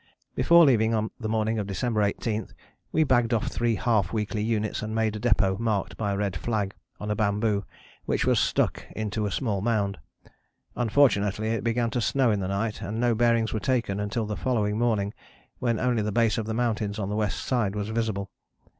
Before leaving on the morning of December 18 we bagged off three half weekly units and made a depôt marked by a red flag on a bamboo which was stuck into a small mound. Unfortunately it began to snow in the night and no bearings were taken until the following morning when only the base of the mountains on the west side was visible.